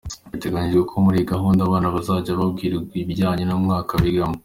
Biteganyijwe ko muri iyi gahunda abana bazajya babwirwa ibijyanye n’umwaka bigamo.